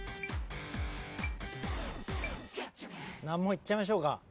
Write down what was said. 難問いっちゃいましょうか。